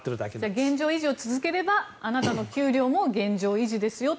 現状維持を続ければあなたの給料も現状維持ですよと。